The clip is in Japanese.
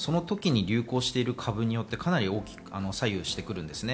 この時に流行してる株によってかなり大きく左右してきます。